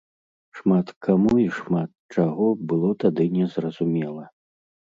Шмат каму і шмат чаго было тады незразумела.